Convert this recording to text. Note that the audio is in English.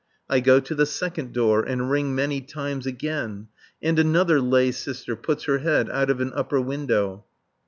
I go to the second door, and ring many times again. And another lay sister puts her head out of an upper window.